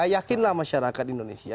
yakinlah masyarakat indonesia